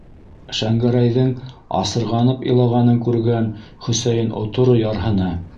Шәңгәрәйҙең асырғанып илағанын күргән Хөсәйен оторо ярһыны: